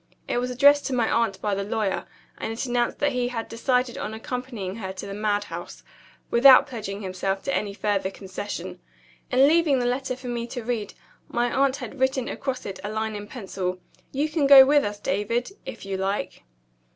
It was addressed to my aunt by the lawyer; and it announced that he had decided on accompanying her to the madhouse without pledging himself to any further concession. In leaving the letter for me to read, my aunt had written across it a line in pencil: "You can go with us, David, if you like."